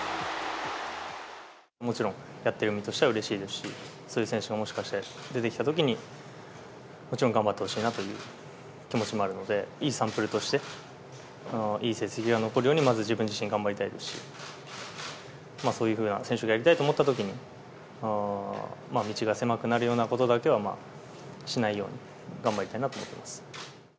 もちろんやってる身としてはうれしいですし、そういう選手がもしかして出てきたときに、もちろん頑張ってほしいなという気持ちもあるので、いいサンプルとして、いい成績が残るように、まず自分自身、頑張りたいですし、そういうふうな選手がやりたいと思ったときに、道が狭くなるようなことだけはしないように、頑張りたいなと思ってます。